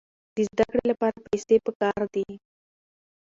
د زده کړې لپاره پیسې پکار دي.